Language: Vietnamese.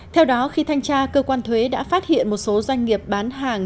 theo đó khi thanh tra cơ quan thuế đã phát hiện một số doanh nghiệp bán hàng